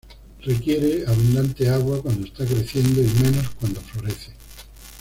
Requiere abundante agua cuando está creciendo y menos cuando florece.